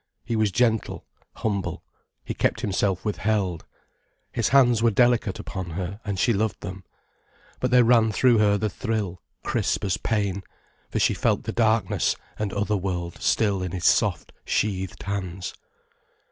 He was gentle, humble, he kept himself withheld. His hands were delicate upon her, and she loved them. But there ran through her the thrill, crisp as pain, for she felt the darkness and other world still in his soft, sheathed hands.